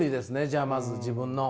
じゃあまず自分の。